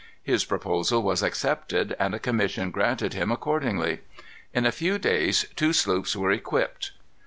His proposal was accepted, and a commission granted him accordingly. In a few days two sloops were equipped.